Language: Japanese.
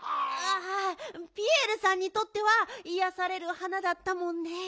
あピエールさんにとってはいやされる花だったもんね。